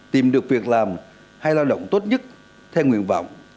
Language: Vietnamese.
tìm được việc làm hay lao động tốt nhất theo nguyện vọng